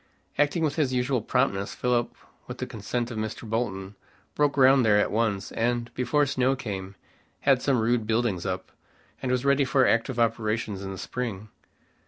Acting with his usual promptness, Philip, with the consent of Mr. Bolton, broke ground there at once, and, before snow came, had some rude buildings up, and was ready for active operations in the spring.